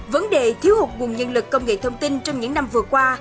vấn đề thiếu hụt nguồn nhân lực công nghệ thông tin trong những năm vừa qua